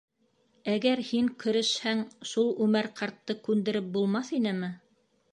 Әгәр һин керешһәң, шул Үмәр ҡартты күндереп булмаҫ инеме?